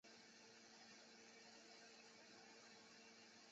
同位于墨尔本运动和娱乐区的雅拉公园则由分开营运。